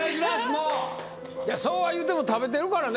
もうそうは言うても食べてるからね